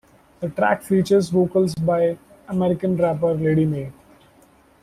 The track features vocals by American rapper Lady May.